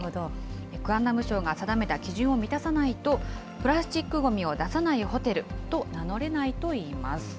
クアンナム省が定めた基準を満たさないと、プラスチックごみを出さないホテルと名乗れないといいます。